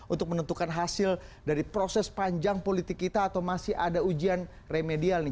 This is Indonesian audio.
untuk menentukan hasil dari proses panjang politik kita atau masih ada ujian remedial nih